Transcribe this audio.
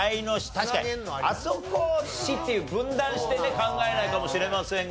確かにあそこを「司」っていう分断してね考えないかもしれませんが。